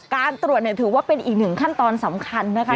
การตรวจเนี่ยถือว่าเป็นอีกหนึ่งขั้นตอนสำคัญนะคะ